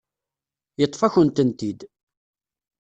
Yeṭṭef-akent-tent-id.